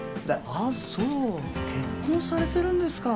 あっそう結婚されてるんですか。